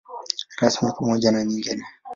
Rasmi pamoja na nyingine.